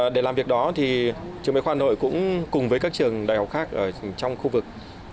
để làm việc đó thì trường đại khoa nội cũng cùng với các trường đại học khác trong khu vực